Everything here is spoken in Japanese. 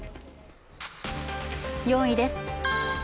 ４位です。